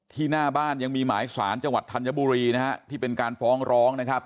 หน้าบ้านยังมีหมายสารจังหวัดธัญบุรีนะฮะที่เป็นการฟ้องร้องนะครับ